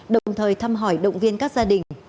đồng thời thăm hỏi động viên các gia đình